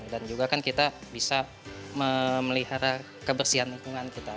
dan juga kan kita bisa melihara kebersihan lingkungan kita